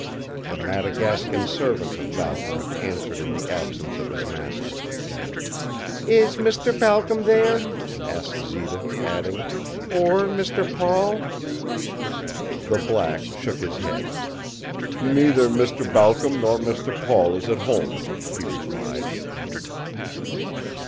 The Madagascan servant of Balcom answered in the absence of his master. "Is Mr. Balcom there?" asked Zita, adding, "Or Mr. Paul?" The black shook his head. "Neither Mr. Balcom nor Mr. Paul is at home," he replied.